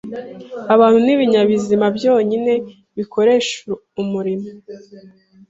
Abantu nibinyabuzima byonyine bikoresha umuriro.